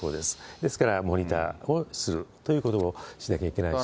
ですからモニターをするということをしなきゃいけないし。